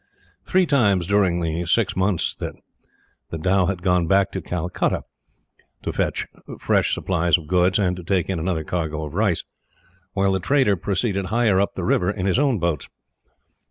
Three times during the six months the dhow had gone back to Calcutta, to fetch fresh supplies of goods and to take in another cargo of rice; while the trader proceeded higher up the river, in his own boats.